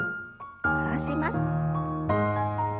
下ろします。